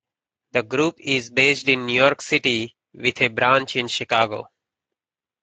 The group is based in New York City with a branch in Chicago.